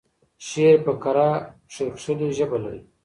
شعر په کره کېښکلې ژبه لري.